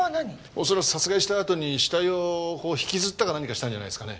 恐らく殺害したあとに死体を引きずったか何かしたんじゃないですかね。